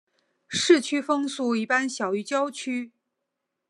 市区风速一般小于郊区。